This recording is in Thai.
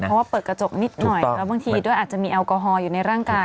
เพราะว่าเปิดกระจกนิดหน่อยแล้วบางทีด้วยอาจจะมีแอลกอฮอลอยู่ในร่างกาย